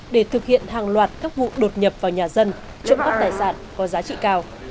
để thực hiện hàng loạt các vụ đột nhập vào nhà dân trộm cắp tài sản có giá trị cao